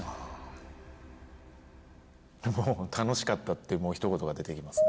もう楽しかったという一言が出てきます。